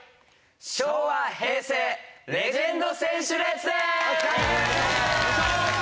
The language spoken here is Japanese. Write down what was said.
昭和平成レジェンド選手列伝！